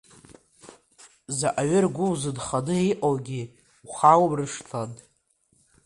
Заҟаҩы ргәы узынханы иҟоугьы ухаумыршҭлан.